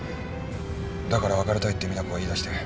だから別れたいって実那子が言いだして。